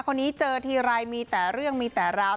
คนนี้เจอทีไรมีแต่เรื่องมีแต่ราว